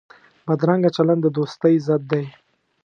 بدرنګه چلند د دوستۍ ضد دی